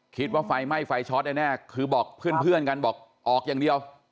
คิดว่าไฟไหม้ไฟช็อตแน่คือบอกเพื่อนกันบอกออกอย่างเดียว